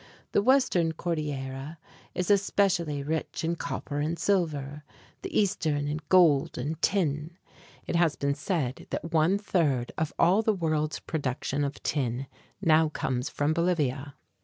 The Western Cordillera is especially rich in copper and silver, the Eastern in gold and tin. It has been said that one third of all the world's production of tin now comes from Bolivia.